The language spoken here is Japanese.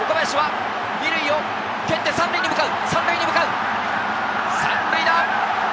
岡林は二塁を蹴って三塁に向かう。